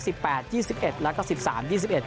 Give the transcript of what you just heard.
แปดยี่สิบเอ็ดแล้วก็สิบสามยี่สิบเอ็ด